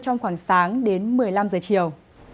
trong khoảng sáng đến một mươi năm giờ chiều